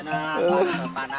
hujan pak hujan pak